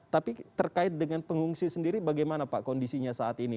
tapi terkait dengan pengungsi sendiri bagaimana pak kondisinya saat ini